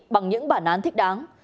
bằng những bản án thích đáng